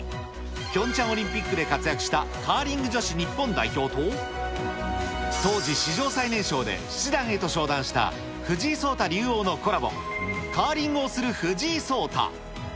ピョンチャンオリンピックで活躍したカーリング女子日本代表と、当時、史上最年少で七段へと昇段した藤井聡太竜王のコラボ、カーリングをする藤井聡太。